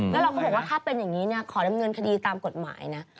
แล้วเราก็บอกว่าถ้าเป็นอย่างนี้ขอดำเนินคดีตามกฎหมายนะ